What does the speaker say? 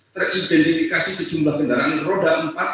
teridentifikasi sejumlah kendaraan roda empat